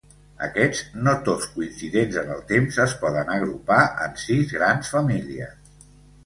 Aquests, no tots coincidents en el temps, es poden agrupar en sis grans famílies.